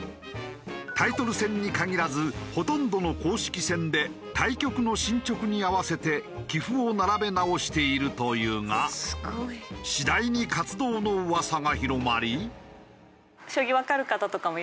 タイトル戦に限らずほとんどの公式戦で大会の進捗に合わせて棋譜を並べ直しているというが次第に活動の噂が広まり。